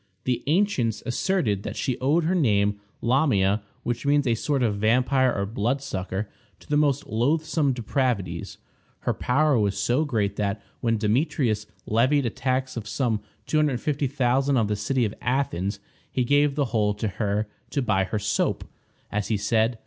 The ancients asserted that she owed her name, Lamia, which means a sort of vampire or bloodsucker, to the most loathsome depravities. Her power was so great that, when Demetrius levied a tax of some $250,000 on the city of Athens, he gave the whole to her, to buy her soap, as he said.